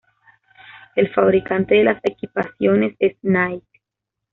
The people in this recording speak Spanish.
El fabricante de las equipaciones es Nike.